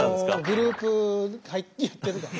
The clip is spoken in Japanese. グループやってるから。